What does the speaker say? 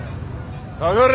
下がれ！